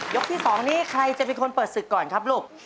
ที่๒นี้ใครจะเป็นคนเปิดศึกก่อนครับลูก